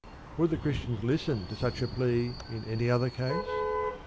Would the Christians listen to such a plea in any other case?